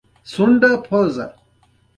حافظه د فرد او ټولنې ګډ خزانه ده.